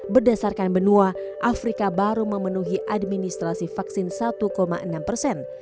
berdasarkan benua afrika baru memenuhi administrasi vaksin satu enam persen